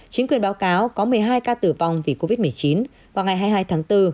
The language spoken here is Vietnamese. chính quyền báo cáo có một mươi hai ca tử vong vì covid một mươi chín vào ngày hai mươi hai tháng bốn